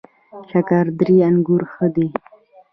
شکردرې انګور ښه دي؟